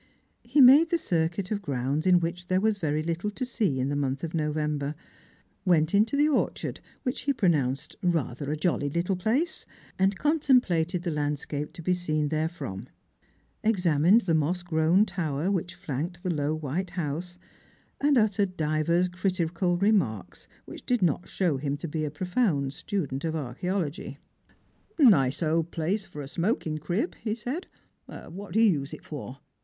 He made the circuit of grounds in which there was very little to see in the month of November ; went into the orshard, which he pronounced " rather a jolly little place," and contemplated the landscape to be seen therefrom ; examined the moss grown tower which flanked the low white house, and uttered divers critical remarks which did net show him to be a profound student of archajology. "Nice old place for a smoking crib," he said: "what do you use it for?